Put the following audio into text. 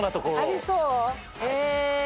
ありそう？え。